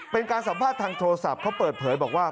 เป็นการสัมภาษณ์ทางโทรศัพท์เขาเปิดเผยบอกว่า